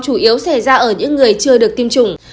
chủ yếu xảy ra ở những người chưa được tiêm chủng